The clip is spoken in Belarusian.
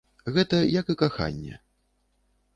Гэта як і каханне.